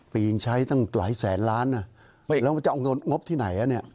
ปีอีกใช้ตั้งหลายแสนล้านแล้วจะเอางบที่ไหนอ่ะเนี่ย